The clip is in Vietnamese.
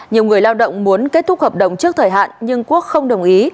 nhiều người lao động muốn kết thúc hợp đồng trước thời hạn nhưng quốc không đồng ý